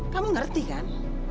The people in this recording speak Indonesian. kamu ngerti kan